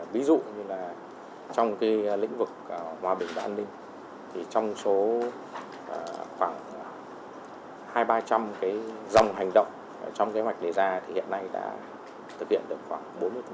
ví dụ như là trong cái lĩnh vực hòa bình và an ninh thì trong số khoảng hai trăm linh ba trăm linh cái dòng hành động trong cái hoạch lề ra thì hiện nay đã thực hiện được khoảng bốn mươi